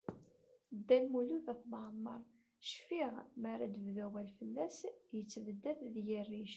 Dda Lmud At Mɛemmeṛ, cfiɣ mi ara d-bdu awal fell-as, yettebdad deg-i rric.